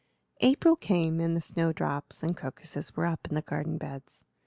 April came, and the snowdrops and crocuses were up in the garden beds.